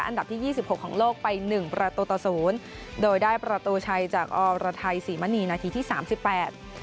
อันดับที่ยี่สิบหกของโลกไปหนึ่งประตูต่อศูนย์โดยได้ประตูชัยจากอรไทยศรีมณีนาทีที่สามสิบแปด